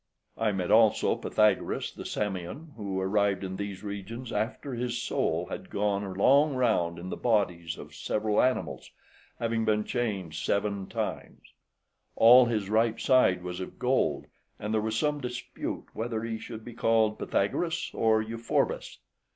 I met also Pythagoras the Samian, who arrived in these regions after his soul had gone a long round in the bodies of several animals, having been changed seven times. All his right side was of gold, and there was some dispute whether he should be called Pythagoras or Euphorbus.